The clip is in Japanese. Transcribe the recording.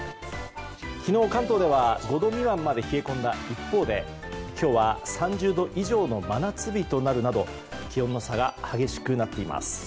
昨日、関東では５度未満まで冷え込んだ一方で今日は３０度以上の真夏日となるなど気温の差が激しくなっています。